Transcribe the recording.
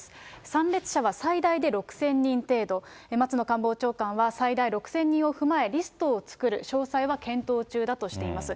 参列者は最大で６０００人程度、松野官房長官は、最大６０００人を踏まえリストを作る、詳細は検討中だとしています。